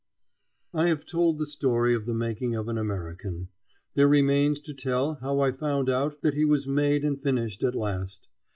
I have told the story of the making of an American. There remains to tell how I found out that he vas made and finished at last.